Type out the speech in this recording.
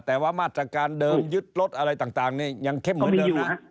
แต่ว่ามาตรการเดิมยึดรถอะไรต่างนี่ยังเข้มเหมือนเดิมนะ